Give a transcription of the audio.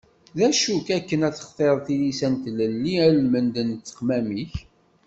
Acu-k akken ad textireḍ tilisa n tlelli almend n ttexmam-ik?